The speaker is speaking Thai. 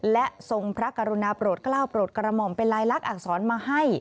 และทรงพระกรุณาโปรดกล้าวโปรดกระหม่อมเป็นลายลักษณอักษรมาให้